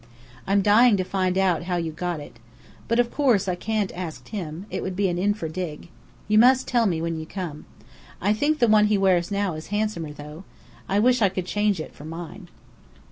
I'm dying to find out how you got it. But, of course, I can't ask him: it would be infra dig. You must tell me when you come. I think the one he wears now is handsomer though. I wish I could change it for mine.